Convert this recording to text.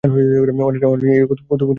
অনেকটা এই কথোপকথনের মতোই আত্মঘাতী!